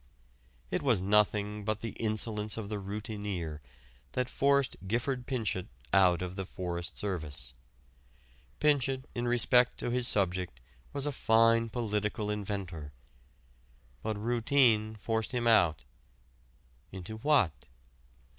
It was nothing but the insolence of the routineer that forced Gifford Pinchot out of the Forest Service. Pinchot in respect to his subject was a fine political inventor. But routine forced him out into what?